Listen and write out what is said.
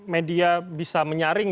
media bisa menyaring